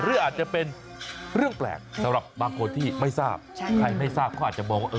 หรืออาจจะเป็นเรื่องแปลกสำหรับคนที่ไม่ทราบ